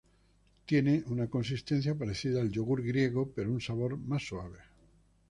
Tiene una consistencia parecida al yogur griego, pero un sabor más suave.